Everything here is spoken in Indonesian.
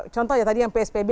contohnya tadi yang pspb